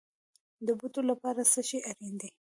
د بوټو لپاره څه شی اړین دی؟